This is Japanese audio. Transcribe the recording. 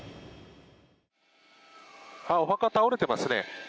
お墓が倒れていますね。